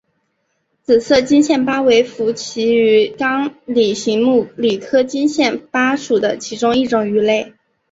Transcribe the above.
紫色金线鲃为辐鳍鱼纲鲤形目鲤科金线鲃属的其中一种鱼类。